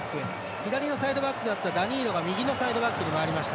左のサイドバックだったダニーロが右のサイドバックに回りました。